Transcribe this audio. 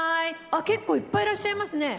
あっ結構いっぱいいらっしゃいますね。